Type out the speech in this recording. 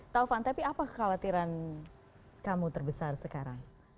taufan tapi apa kekhawatiran kamu terbesar sekarang